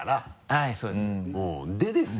はいそうです。